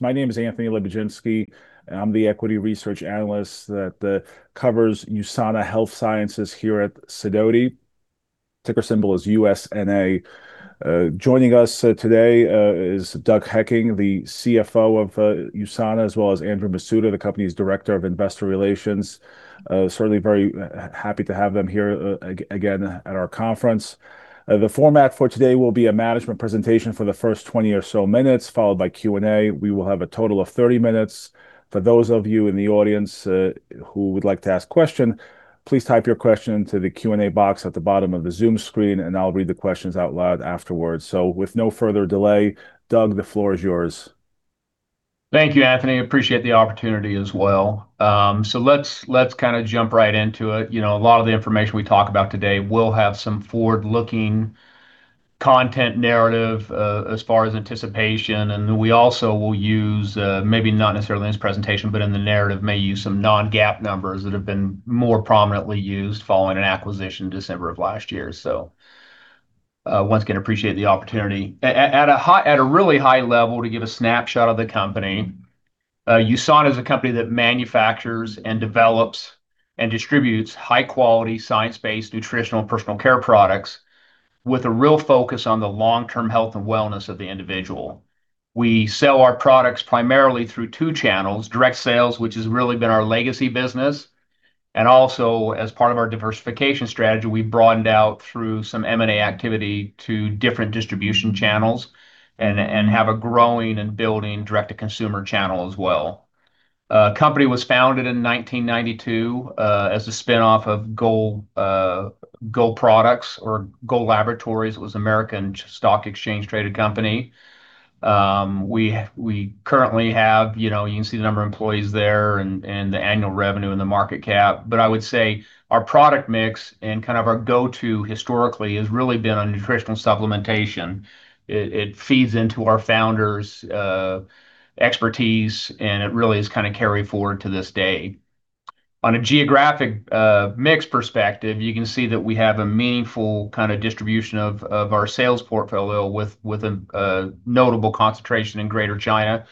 My name is Anthony Lebidzinski. I'm the equity research analyst that covers USANA Health Sciences here at Sidoti. Ticker symbol is USNA. Joining us today is Doug Hekking, the CFO of USANA, as well as Andrew Masuda, the company's Director of Investor Relations. Certainly very happy to have them here again at our conference. The format for today will be a management presentation for the first 20 or so minutes, followed by Q&A. We will have a total of 30 minutes. For those of you in the audience who would like to ask a question, please type your question into the Q&A box at the bottom of the Zoom screen, and I'll read the questions out loud afterwards. So, with no further delay, Doug, the floor is yours. Thank you, Anthony. Appreciate the opportunity as well. So let's kind of jump right into it. A lot of the information we talk about today will have some forward-looking content narrative as far as anticipation. And we also will use, maybe not necessarily in this presentation, but in the narrative, may use some Non-GAAP numbers that have been more prominently used following an acquisition in December of last year. So, once again, appreciate the opportunity. At a really high level, to give a snapshot of the company, USANA is a company that manufactures, develops, and distributes high-quality science-based nutritional and personal care products with a real focus on the long-term health and wellness of the individual. We sell our products primarily through two channels: direct sales, which has really been our legacy business, and also, as part of our diversification strategy, we've broadened out through some M&A activity to different distribution channels and have a growing and building direct-to-consumer channel as well. The company was founded in 1992 as a spinoff of Gull Laboratories. It was an American stock exchange-traded company. We currently have, you can see the number of employees there and the annual revenue and the market cap. But I would say our product mix and kind of our go-to historically has really been on nutritional supplementation. It feeds into our founders' expertise, and it really is kind of carried forward to this day. On a geographic mix perspective, you can see that we have a meaningful kind of distribution of our sales portfolio with a notable concentration in Greater China,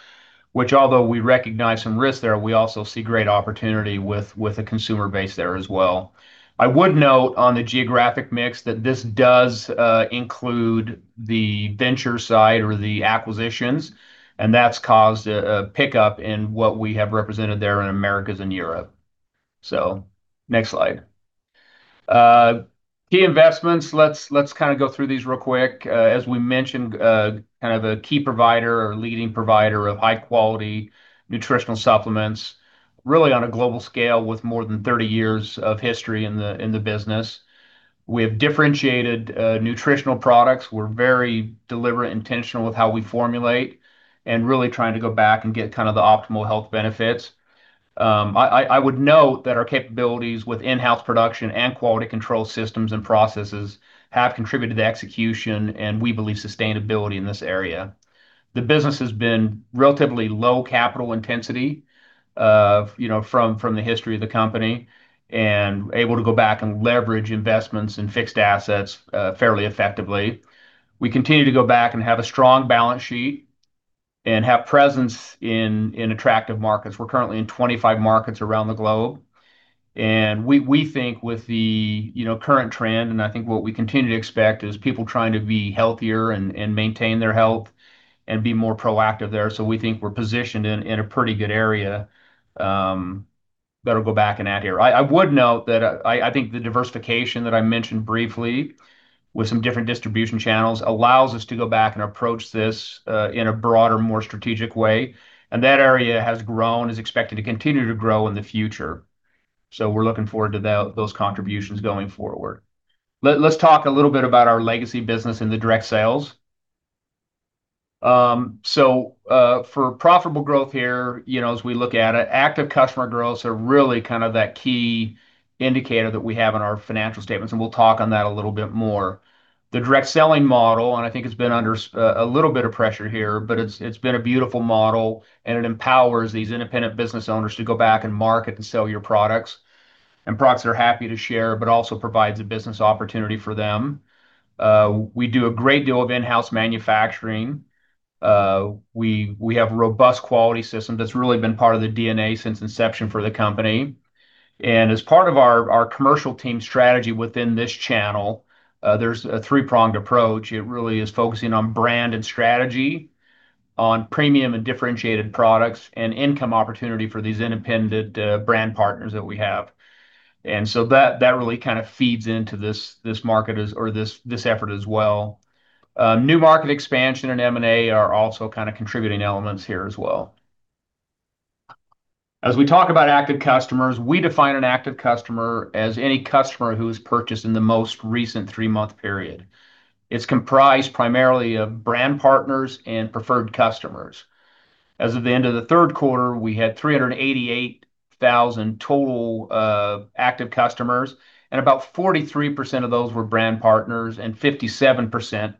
which, although we recognize some risks there, we also see great opportunity with a consumer base there as well. I would note on the geographic mix that this does include the venture side or the acquisitions, and that's caused a pickup in what we have represented there in Americas and Europe. So, next slide. Key investments. Let's kind of go through these real quick. As we mentioned, kind of a key provider or leading provider of high-quality nutritional supplements, really on a global scale with more than 30 years of history in the business. We have differentiated nutritional products. We're very deliberate and intentional with how we formulate and really trying to go back and get kind of the optimal health benefits. I would note that our capabilities with in-house production and quality control systems and processes have contributed to the execution, and we believe sustainability in this area. The business has been relatively low capital intensity from the history of the company and able to grow and leverage investments in fixed assets fairly effectively. We continue to grow and have a strong balance sheet and have presence in attractive markets. We're currently in 25 markets around the globe, and we think with the current trend, and I think what we continue to expect is people trying to be healthier and maintain their health and be more proactive there. So we think we're positioned in a pretty good area. Better go back in that area. I would note that I think the diversification that I mentioned briefly with some different distribution channels allows us to go back and approach this in a broader, more strategic way, and that area has grown, is expected to continue to grow in the future, so we're looking forward to those contributions going forward. Let's talk a little bit about our legacy business in the direct sales, so for profitable growth here, as we look at it, active customer growth is really kind of that key indicator that we have in our financial statements, and we'll talk on that a little bit more. The direct selling model, and I think it's been under a little bit of pressure here, but it's been a beautiful model, and it empowers these independent business owners to go back and market and sell your products and products they're happy to share, but also provides a business opportunity for them. We do a great deal of in-house manufacturing. We have a robust quality system that's really been part of the DNA since inception for the company. And as part of our commercial team strategy within this channel, there's a three-pronged approach. It really is focusing on brand and strategy, on premium and differentiated products, and income opportunity for these independent brand partners that we have. And so that really kind of feeds into this market or this effort as well. New market expansion and M&A are also kind of contributing elements here as well. As we talk about active customers, we define an active customer as any customer who has purchased in the most recent three-month period. It's comprised primarily of brand partners and preferred customers. As of the end of the third quarter, we had 388,000 total active customers, and about 43% of those were brand partners, and 57%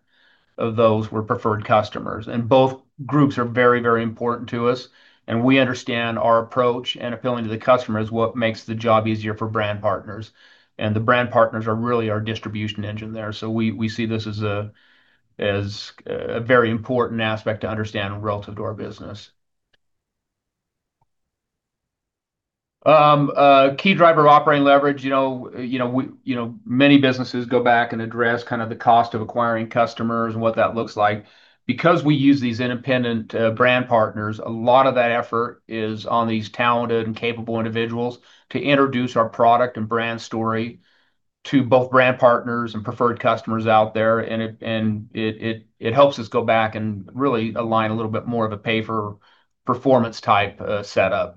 of those were preferred customers, and both groups are very, very important to us, and we understand our approach and appealing to the customer is what makes the job easier for brand partners, and the brand partners are really our distribution engine there, so we see this as a very important aspect to understand relative to our business, key driver of operating leverage. Many businesses go back and address kind of the cost of acquiring customers and what that looks like. Because we use these independent brand partners, a lot of that effort is on these talented and capable individuals to introduce our product and brand story to both brand partners and preferred customers out there. And it helps us go back and really align a little bit more of a pay-for-performance type setup.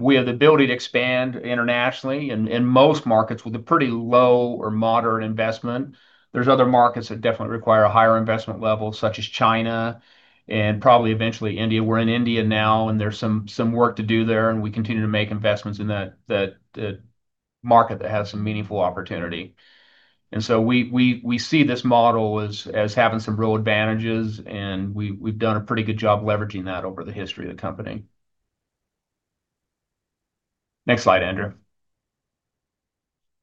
We have the ability to expand internationally in most markets with a pretty low or moderate investment. There's other markets that definitely require a higher investment level, such as China and probably eventually India. We're in India now, and there's some work to do there. And we continue to make investments in that market that has some meaningful opportunity. And so we see this model as having some real advantages, and we've done a pretty good job leveraging that over the history of the company. Next slide, Andrew.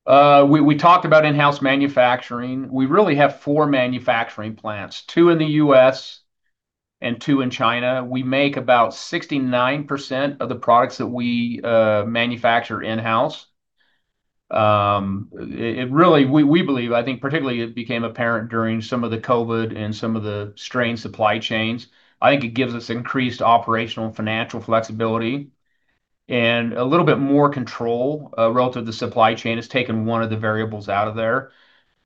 We talked about in-house manufacturing. We really have four manufacturing plants, two in the US and two in China. We make about 69% of the products that we manufacture in-house. We believe, I think particularly it became apparent during some of the COVID and some of the strained supply chains. I think it gives us increased operational and financial flexibility, and a little bit more control relative to the supply chain has taken one of the variables out of there.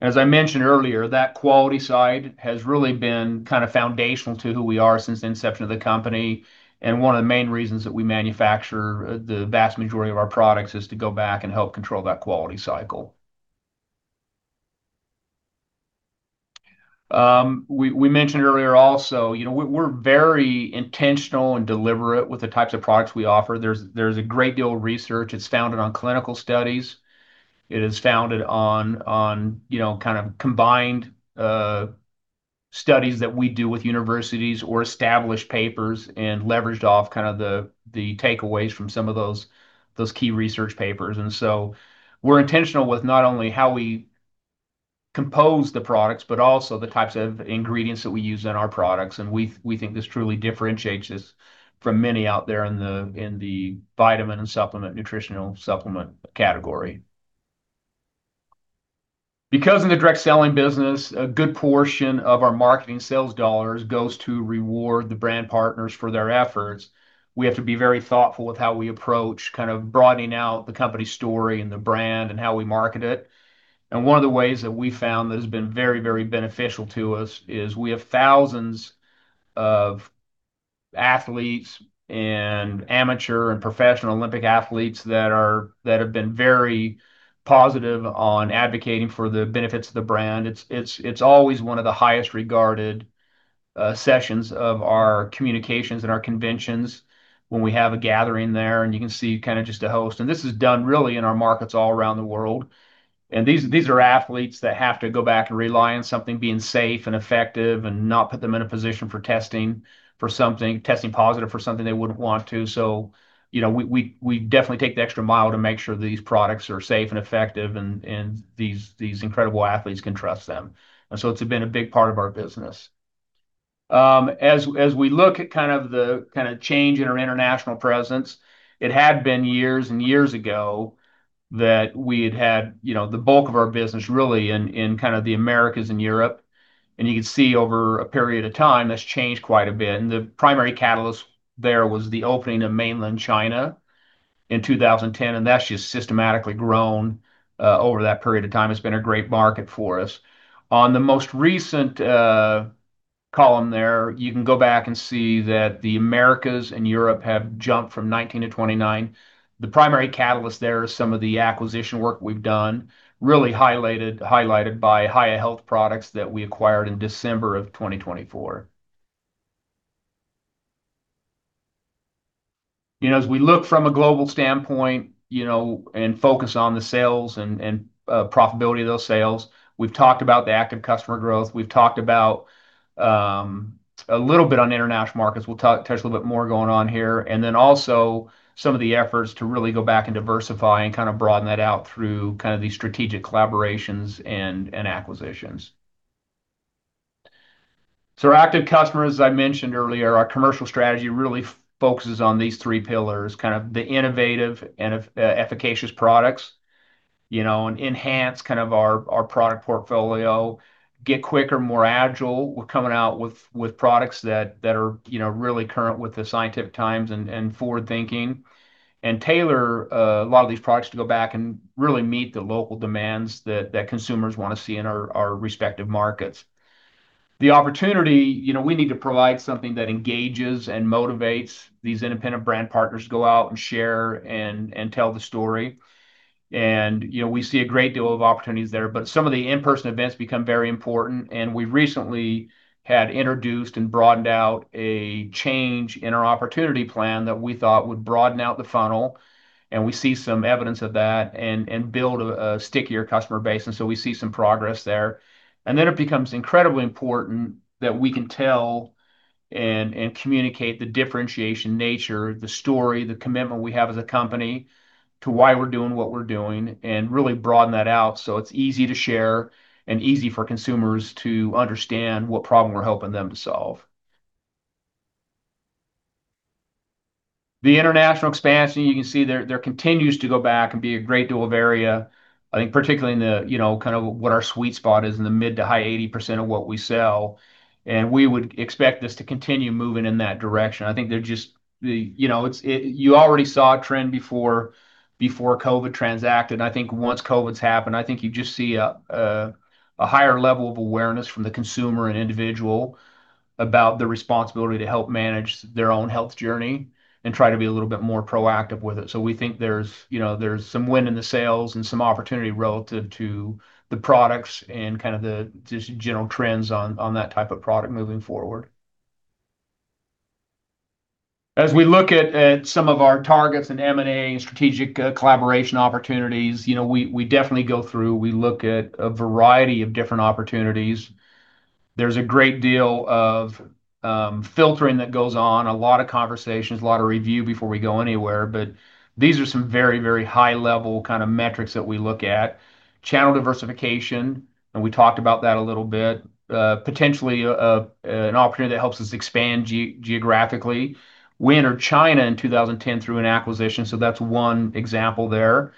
As I mentioned earlier, that quality side has really been kind of foundational to who we are since the inception of the company, and one of the main reasons that we manufacture the vast majority of our products is to go back and help control that quality cycle. We mentioned earlier also, we're very intentional and deliberate with the types of products we offer. There's a great deal of research. It's founded on clinical studies. It is founded on kind of combined studies that we do with universities or established papers and leveraged off kind of the takeaways from some of those key research papers, and so we're intentional with not only how we compose the products, but also the types of ingredients that we use in our products, and we think this truly differentiates us from many out there in the vitamin and supplement nutritional supplement category. Because in the direct selling business, a good portion of our marketing sales dollars goes to reward the brand partners for their efforts, we have to be very thoughtful with how we approach kind of broadening out the company story and the brand and how we market it. And one of the ways that we found that has been very, very beneficial to us is we have thousands of athletes and amateur and professional Olympic athletes that have been very positive on advocating for the benefits of the brand. It's always one of the highest regarded sessions of our communications and our conventions when we have a gathering there. And you can see kind of just a host. And this is done really in our markets all around the world. And these are athletes that have to go back and rely on something being safe and effective and not put them in a position for testing positive for something they wouldn't want to. So we definitely take the extra mile to make sure these products are safe and effective and these incredible athletes can trust them. And so it's been a big part of our business. As we look at kind of the change in our international presence, it had been years and years ago that we had had the bulk of our business really in kind of the Americas and Europe. You can see over a period of time that's changed quite a bit. The primary catalyst there was the opening of mainland China in 2010. That's just systematically grown over that period of time. It's been a great market for us. On the most recent column there, you can go back and see that the Americas and Europe have jumped from 19 to 29. The primary catalyst there is some of the acquisition work we've done, really highlighted by Hiya Health products that we acquired in December of 2024. As we look from a global standpoint and focus on the sales and profitability of those sales, we've talked about the active customer growth. We've talked about a little bit on international markets. We'll touch a little bit more going on here, and then also some of the efforts to really go back and diversify and kind of broaden that out through kind of these strategic collaborations and acquisitions, so our active customers, as I mentioned earlier, our commercial strategy really focuses on these three pillars, kind of the innovative and efficacious products, enhance kind of our product portfolio, get quicker, more agile. We're coming out with products that are really current with the scientific times and forward-thinking and tailor a lot of these products to go back and really meet the local demands that consumers want to see in our respective markets. The opportunity, we need to provide something that engages and motivates these independent brand partners to go out and share and tell the story. And we see a great deal of opportunities there. But some of the in-person events become very important. And we recently had introduced and broadened out a change in our opportunity plan that we thought would broaden out the funnel. And we see some evidence of that and build a stickier customer base. And so we see some progress there. And then it becomes incredibly important that we can tell and communicate the differentiation nature, the story, the commitment we have as a company to why we're doing what we're doing and really broaden that out so it's easy to share and easy for consumers to understand what problem we're helping them to solve. The international expansion, you can see there, continues to grow and be a great deal of area. I think, particularly in the kind of what our sweet spot is, in the mid- to high 80% of what we sell, and we would expect this to continue moving in that direction. I think there, just, you already saw a trend before COVID transpired, and I think once COVID's happened, I think you just see a higher level of awareness from the consumer and individual about the responsibility to help manage their own health journey and try to be a little bit more proactive with it, so we think there's some wind in the sails and some opportunity relative to the products and kind of the general trends on that type of product moving forward. As we look at some of our targets and M&A and strategic collaboration opportunities, we definitely go through. We look at a variety of different opportunities. There's a great deal of filtering that goes on, a lot of conversations, a lot of review before we go anywhere, but these are some very, very high-level kind of metrics that we look at. Channel diversification, and we talked about that a little bit, potentially an opportunity that helps us expand geographically. We entered China in 2010 through an acquisition, so that's one example there.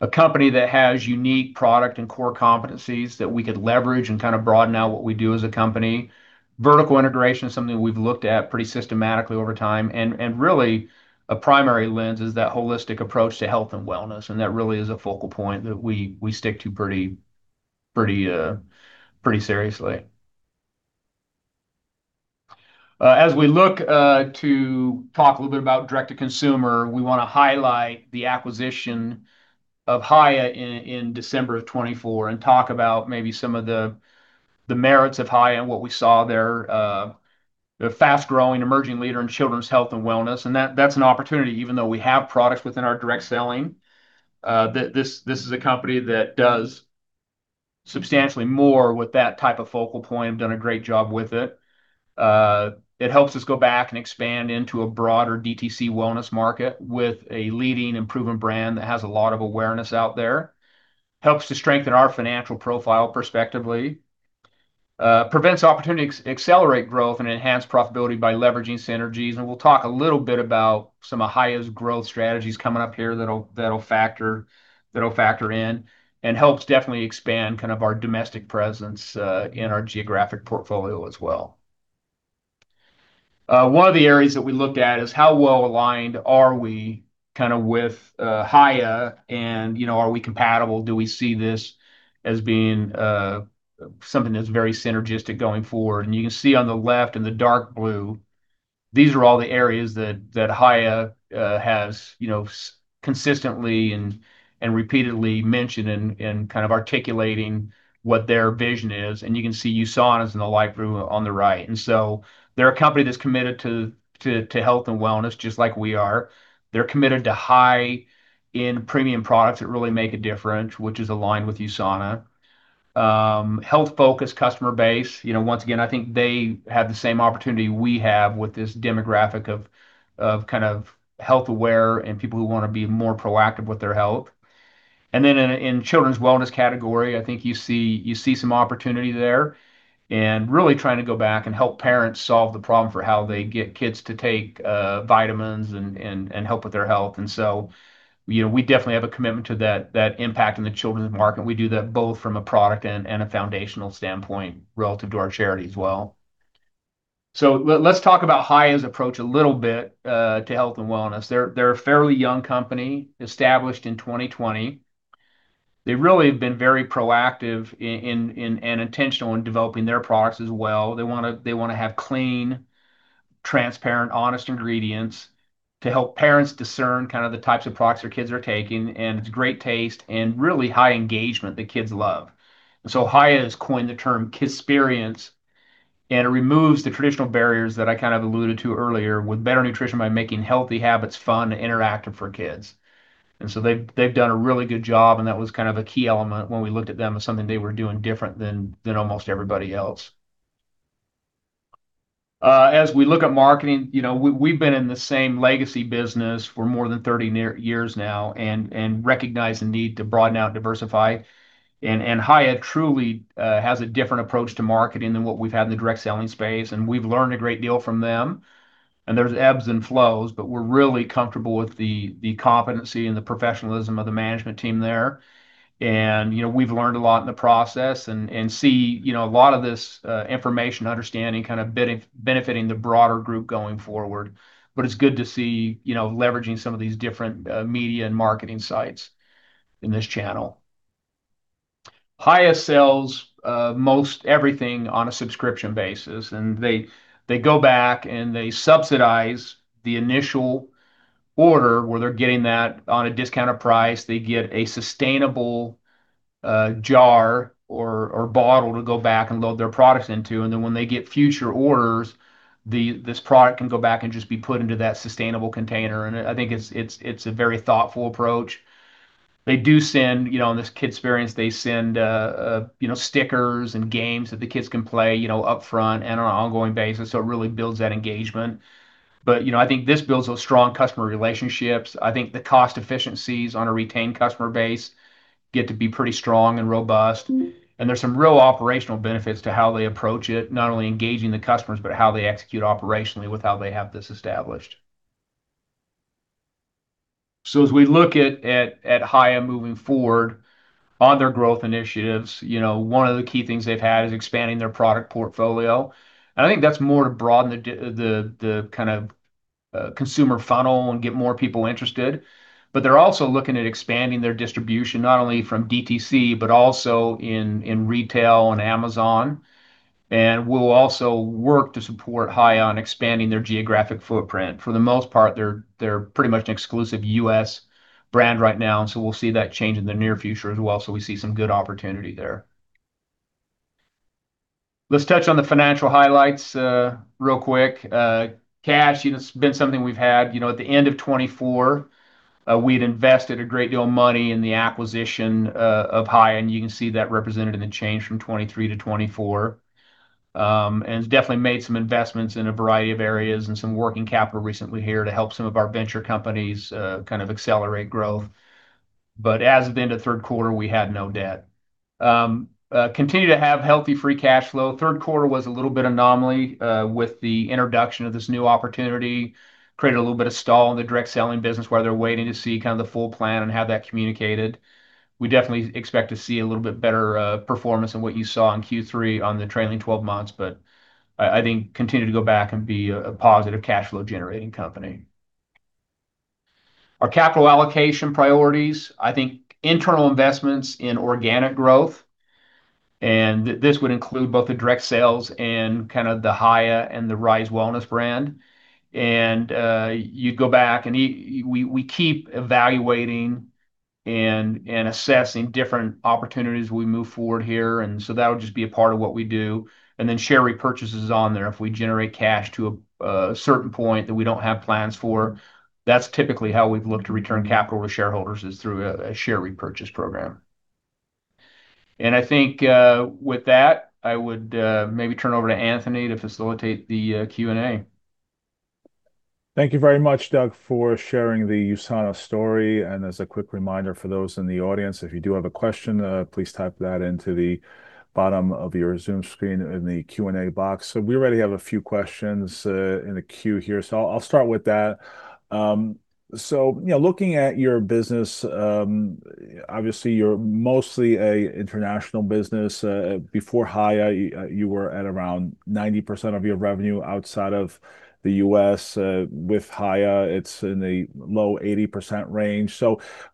A company that has unique product and core competencies that we could leverage and kind of broaden out what we do as a company. Vertical integration is something we've looked at pretty systematically over time, and really, a primary lens is that holistic approach to health and wellness. That really is a focal point that we stick to pretty seriously. As we look to talk a little bit about direct-to-consumer, we want to highlight the acquisition of Hiya in December of 2024 and talk about maybe some of the merits of Hiya and what we saw there. The fast-growing emerging leader in children's health and wellness. And that's an opportunity, even though we have products within our direct selling, that this is a company that does substantially more with that type of focal point. We've done a great job with it. It helps us go back and expand into a broader DTC wellness market with a leading improving brand that has a lot of awareness out there. Helps to strengthen our financial profile prospectively. Presents opportunity to accelerate growth and enhance profitability by leveraging synergies. And we'll talk a little bit about some of Hiya's growth strategies coming up here that'll factor in and helps definitely expand kind of our domestic presence in our geographic portfolio as well. One of the areas that we looked at is how well aligned are we kind of with Hiya and are we compatible? Do we see this as being something that's very synergistic going forward? And you can see on the left in the dark blue, these are all the areas that Hiya has consistently and repeatedly mentioned and kind of articulating what their vision is. And you can see USANA is in the light blue on the right. And so they're a company that's committed to health and wellness just like we are. They're committed to high-end premium products that really make a difference, which is aligned with USANA. Health-focused customer base. Once again, I think they have the same opportunity we have with this demographic of kind of health aware and people who want to be more proactive with their health, and then in children's wellness category, I think you see some opportunity there and really trying to go back and help parents solve the problem for how they get kids to take vitamins and help with their health, and so we definitely have a commitment to that impact in the children's market. We do that both from a product and a foundational standpoint relative to our charity as well, so let's talk about Hiya's approach a little bit to health and wellness. They're a fairly young company, established in 2020. They really have been very proactive and intentional in developing their products as well. They want to have clean, transparent, honest ingredients to help parents discern kind of the types of products their kids are taking, and it's great taste and really high engagement that kids love, and so Hiya has coined the term KISSPERIENCE, and it removes the traditional barriers that I kind of alluded to earlier with better nutrition by making healthy habits fun and interactive for kids, and so they've done a really good job, and that was kind of a key element when we looked at them as something they were doing different than almost everybody else. As we look at marketing, we've been in the same legacy business for more than 30 years now and recognize the need to broaden out and diversify, and Hiya truly has a different approach to marketing than what we've had in the direct selling space, and we've learned a great deal from them. And there's ebbs and flows, but we're really comfortable with the competency and the professionalism of the management team there. And we've learned a lot in the process and see a lot of this information understanding kind of benefiting the broader group going forward. But it's good to see leveraging some of these different media and marketing sites in this channel. Hiya sells most everything on a subscription basis. And they go back and they subsidize the initial order where they're getting that on a discounted price. They get a sustainable jar or bottle to go back and load their products into. And then when they get future orders, this product can go back and just be put into that sustainable container. And I think it's a very thoughtful approach. They do send, on this KISSPERIENCE, they send stickers and games that the kids can play upfront and on an ongoing basis. So it really builds that engagement. But I think this builds those strong customer relationships. I think the cost efficiencies on a retained customer base get to be pretty strong and robust. And there's some real operational benefits to how they approach it, not only engaging the customers, but how they execute operationally with how they have this established. So as we look at Hiya moving forward on their growth initiatives, one of the key things they've had is expanding their product portfolio. And I think that's more to broaden the kind of consumer funnel and get more people interested. But they're also looking at expanding their distribution, not only from DTC, but also in retail and Amazon. We'll also work to support Hiya on expanding their geographic footprint. For the most part, they're pretty much an exclusive US brand right now. We'll see that change in the near future as well. We see some good opportunity there. Let's touch on the financial highlights real quick. Cash, it's been something we've had. At the end of 2024, we'd invested a great deal of money in the acquisition of Hiya. You can see that represented in the change from 2023 to 2024. It's definitely made some investments in a variety of areas and some working capital recently here to help some of our venture companies kind of accelerate growth. As of the end of third quarter, we had no debt. Continue to have healthy free cash flow. Third quarter was a little bit anomaly with the introduction of this new opportunity, created a little bit of stall in the direct selling business where they're waiting to see kind of the full plan and have that communicated. We definitely expect to see a little bit better performance than what you saw in Q3 on the trailing 12 months. But I think continue to go back and be a positive cash flow generating company. Our capital allocation priorities, I think internal investments in organic growth. And this would include both the direct sales and kind of the Hiya and the Rise Wellness brand. And you go back and we keep evaluating and assessing different opportunities we move forward here. And so that would just be a part of what we do. And then share repurchases on there if we generate cash to a certain point that we don't have plans for. That's typically how we've looked to return capital to shareholders is through a share repurchase program. And I think with that, I would maybe turn over to Anthony to facilitate the Q&A. Thank you very much, Doug, for sharing the USANA story. And as a quick reminder for those in the audience, if you do have a question, please type that into the bottom of your Zoom screen in the Q&A box. So we already have a few questions in the queue here. So I'll start with that. So looking at your business, obviously, you're mostly an international business. Before Hiya, you were at around 90% of your revenue outside of the US With Hiya, it's in the low 80% range.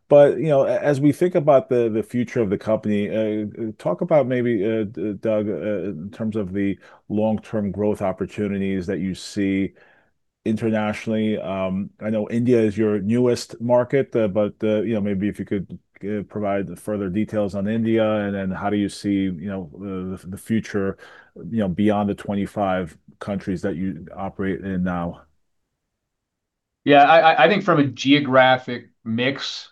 But as we think about the future of the company, talk about maybe, Doug, in terms of the long-term growth opportunities that you see internationally. I know India is your newest market, but maybe if you could provide further details on India. And then how do you see the future beyond the 25 countries that you operate in now? Yeah, I think from a geographic mix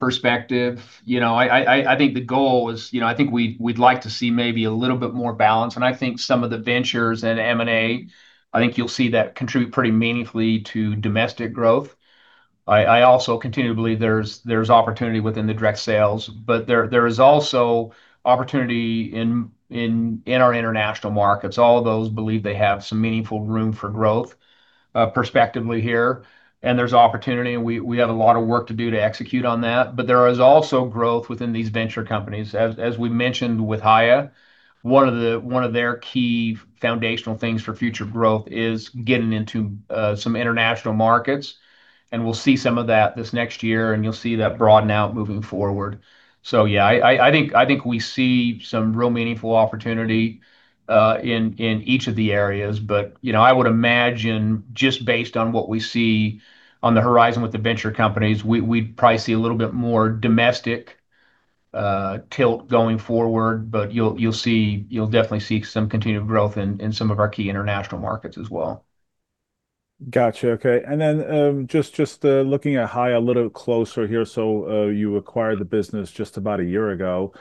perspective, I think the goal is I think we'd like to see maybe a little bit more balance. And I think some of the ventures and M&A, I think you'll see that contribute pretty meaningfully to domestic growth. I also continue to believe there's opportunity within the direct sales, but there is also opportunity in our international markets. All of those believe they have some meaningful room for growth prospectively here. And there's opportunity. We have a lot of work to do to execute on that. There is also growth within these venture companies. As we mentioned with Hiya, one of their key foundational things for future growth is getting into some international markets. We'll see some of that this next year. You'll see that broaden out moving forward. Yeah, I think we see some real meaningful opportunity in each of the areas. I would imagine just based on what we see on the horizon with the venture companies, we'd probably see a little bit more domestic tilt going forward. You'll definitely see some continued growth in some of our key international markets as well. Gotcha. Okay. Then just looking at Hiya a little closer here. You acquired the business just about a year ago.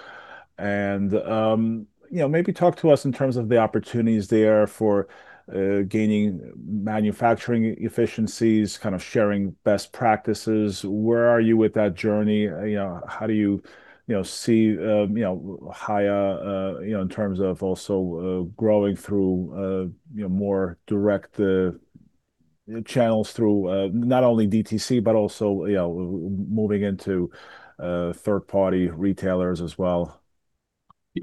Maybe talk to us in terms of the opportunities there for gaining manufacturing efficiencies, kind of sharing best practices. Where are you with that journey? How do you see Hiya in terms of also growing through more direct channels through not only DTC, but also moving into third-party retailers as well?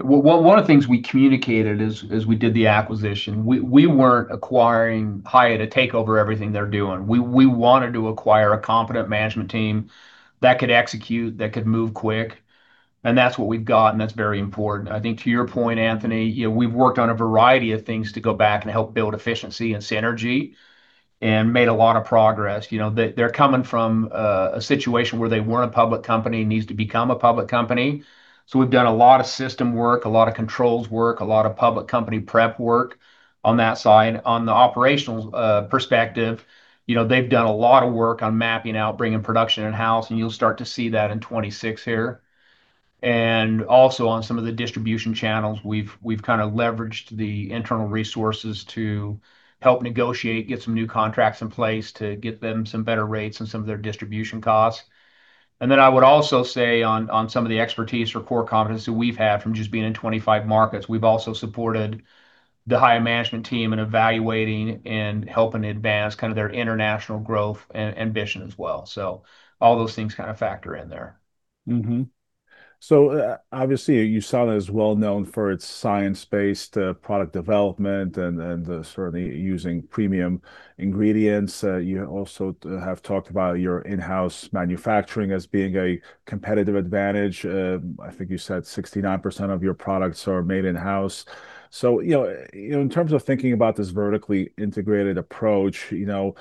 One of the things we communicated as we did the acquisition, we weren't acquiring Hiya to take over everything they're doing. We wanted to acquire a competent management team that could execute, that could move quick. That's what we've gotten. That's very important. I think to your point, Anthony, we've worked on a variety of things to go back and help build efficiency and synergy and made a lot of progress. They're coming from a situation where they weren't a public company and needs to become a public company. So we've done a lot of system work, a lot of controls work, a lot of public company prep work on that side. On the operational perspective, they've done a lot of work on mapping out, bringing production in-house. And you'll start to see that in 2026 here. And also on some of the distribution channels, we've kind of leveraged the internal resources to help negotiate, get some new contracts in place to get them some better rates on some of their distribution costs. And then I would also say on some of the expertise or core competency we've had from just being in 25 markets, we've also supported the Hiya management team in evaluating and helping advance kind of their international growth and ambition as well. So all those things kind of factor in there. So obviously, USANA is well known for its science-based product development and certainly using premium ingredients. You also have talked about your in-house manufacturing as being a competitive advantage. I think you said 69% of your products are made in-house. So in terms of thinking about this vertically integrated approach, do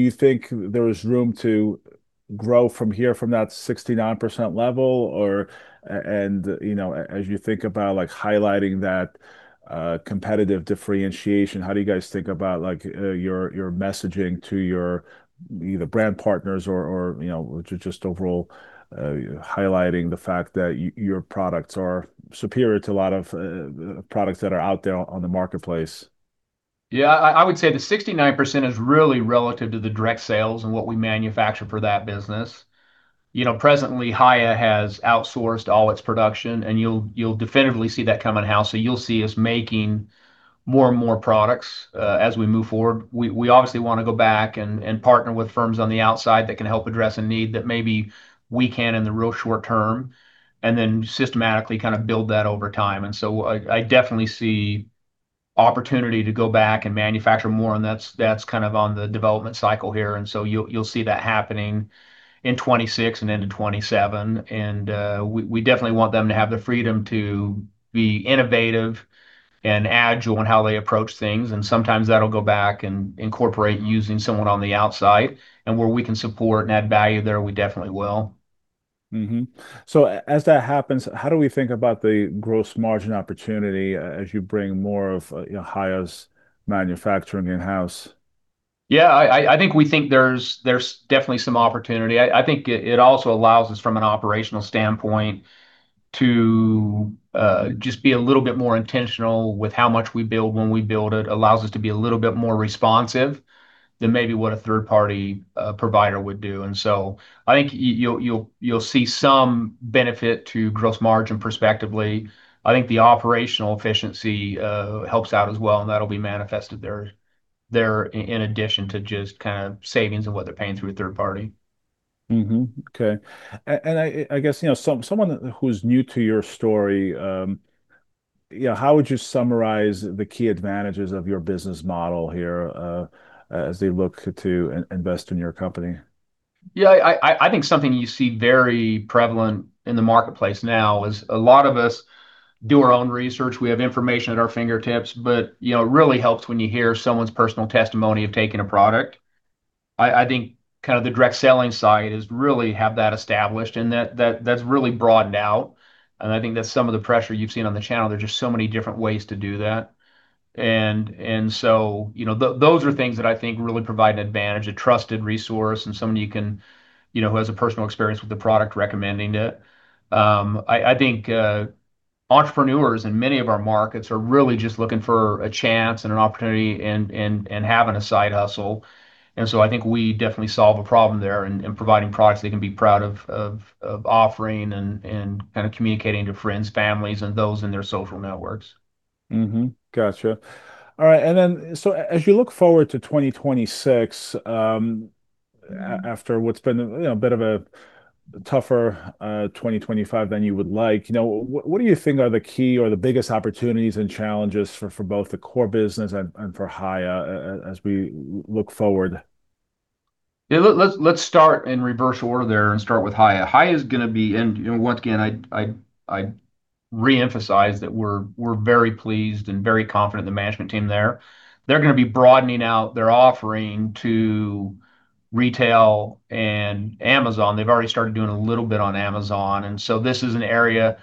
you think there is room to grow from here, from that 69% level? And as you think about highlighting that competitive differentiation, how do you guys think about your messaging to either brand partners or just overall highlighting the fact that your products are superior to a lot of products that are out there on the marketplace? Yeah, I would say the 69% is really relative to the direct sales and what we manufacture for that business. Presently, Hiya has outsourced all its production. And you'll definitely see that come in-house. So you'll see us making more and more products as we move forward. We obviously want to go back and partner with firms on the outside that can help address a need that maybe we can in the real short term and then systematically kind of build that over time. And so I definitely see opportunity to go back and manufacture more. And that's kind of on the development cycle here. And so you'll see that happening in 2026 and into 2027. And we definitely want them to have the freedom to be innovative and agile in how they approach things. And sometimes that'll go back and incorporate using someone on the outside. And where we can support and add value there, we definitely will. So as that happens, how do we think about the gross margin opportunity as you bring more of Hiya's manufacturing in-house? Yeah, I think we think there's definitely some opportunity. I think it also allows us from an operational standpoint to just be a little bit more intentional with how much we build when we build it. It allows us to be a little bit more responsive than maybe what a third-party provider would do. And so I think you'll see some benefit to gross margin prospectively. I think the operational efficiency helps out as well. And that'll be manifested there in addition to just kind of savings and what they're paying through a third party. Okay. And I guess someone who's new to your story, how would you summarize the key advantages of your business model here as they look to invest in your company? Yeah, I think something you see very prevalent in the marketplace now is a lot of us do our own research. We have information at our fingertips. But it really helps when you hear someone's personal testimony of taking a product. I think kind of the direct selling side is really have that established. And that's really broadened out. And I think that's some of the pressure you've seen on the channel. There's just so many different ways to do that. And so those are things that I think really provide an advantage, a trusted resource and someone you can who has a personal experience with the product recommending it. I think entrepreneurs in many of our markets are really just looking for a chance and an opportunity and having a side hustle. And so I think we definitely solve a problem there in providing products they can be proud of offering and kind of communicating to friends, families, and those in their social networks. Gotcha. All right. And then so as you look forward to 2026 after what's been a bit of a tougher 2025 than you would like, what do you think are the key or the biggest opportunities and challenges for both the core business and for Hiya as we look forward? Yeah, let's start in reverse order there and start with Hiya. Hiya is going to be, and once again, I reemphasize that we're very pleased and very confident in the management team there. They're going to be broadening out their offering to retail and Amazon. They've already started doing a little bit on Amazon. And so this is an area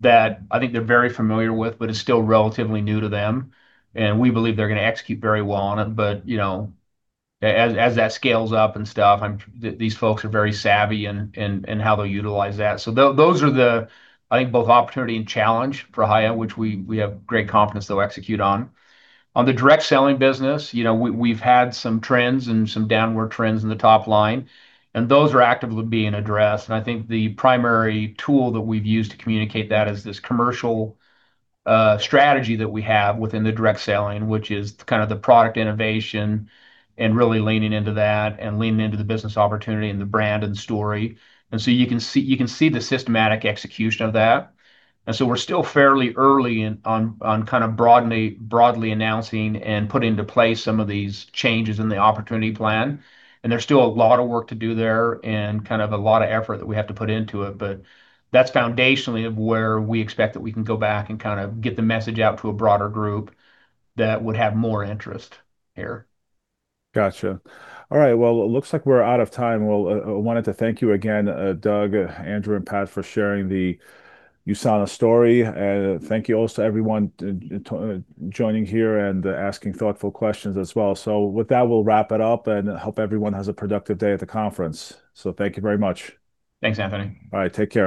that I think they're very familiar with, but it's still relatively new to them. And we believe they're going to execute very well on it. But as that scales up and stuff, these folks are very savvy in how they'll utilize that. So those are the, I think, both opportunity and challenge for Hiya, which we have great confidence they'll execute on. On the direct selling business, we've had some trends and some downward trends in the top line. And those are actively being addressed. And I think the primary tool that we've used to communicate that is this commercial strategy that we have within the direct selling, which is kind of the product innovation and really leaning into that and leaning into the business opportunity and the brand and story. And so you can see the systematic execution of that. And so we're still fairly early on kind of broadly announcing and putting into place some of these changes in the opportunity plan. And there's still a lot of work to do there and kind of a lot of effort that we have to put into it. But that's foundationally where we expect that we can go back and kind of get the message out to a broader group that would have more interest here. Gotcha. All right. Well, it looks like we're out of time. Well, I wanted to thank you again, Doug, Andrew, and Pat for sharing the USANA story. And thank you also to everyone joining here and asking thoughtful questions as well. So with that, we'll wrap it up and hope everyone has a productive day at the conference. So thank you very much. Thanks, Anthony. All right. Take care.